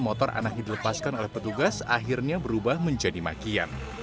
motor anah dilepaskan oleh petugas akhirnya berubah menjadi makian